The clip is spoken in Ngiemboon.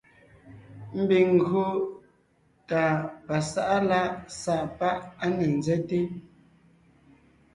Ḿbiŋ ńgÿo tà pasá’a lá’ sá’ pá’ á ne ńzέte,